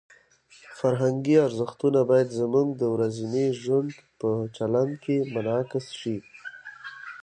فرهنګي ارزښتونه باید زموږ د ورځني ژوند په چلند کې منعکس شي.